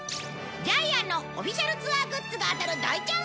ジャイアンのオフィシャルツアーグッズが当たる大チャンス！？